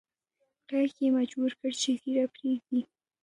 ږغ یې مجبور کړ چې ږیره پریږدي